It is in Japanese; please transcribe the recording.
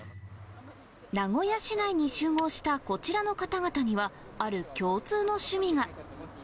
名古屋市内に集合したこちらの方々には、ある共通の趣味が。